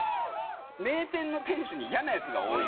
名店の店主にイヤなヤツが多い。